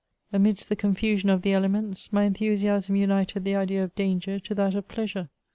Amidst the confusion of the elements, my enthusiasm united the idea of danger to that of pleasure.